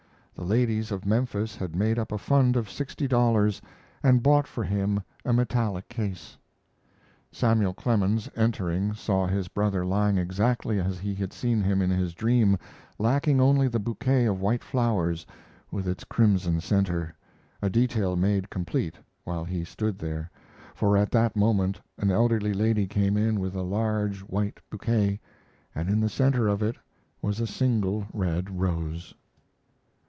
The ladies of Memphis had made up a fund of sixty dollars and bought for him a metallic case. Samuel Clemens entering, saw his brother lying exactly as he had seen him in his dream, lacking only the bouquet of white flowers with its crimson center a detail made complete while he stood there, for at that moment an elderly lady came in with a large white bouquet, and in the center of it was a single red rose.